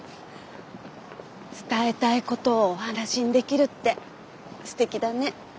伝えたいことをお話にできるってすてきだね。